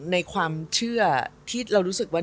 ในความเชื่อที่เรารู้สึกว่า